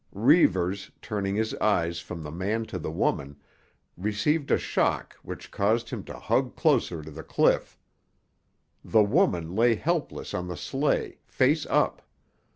Reivers, turning his eyes from the man to the woman, received a shock which caused him to hug closer to the cliff. The woman lay helpless on the sleigh, face up.